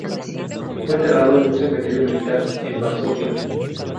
Fue enterrado en un cementerio militar en Varsovia.